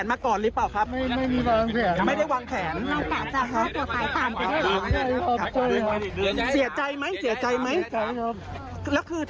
ทำไมอ่ะเขามีผู้ชายมาติดพันธุ์เยอะหรอครับ